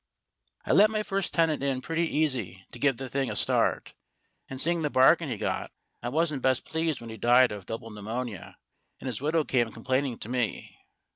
I let my first tenant in pretty easy to give the thing a start; and, seeing the bargain he got, I wasn't best pleased when he died of double pneumonia, and his widow came complaining to me.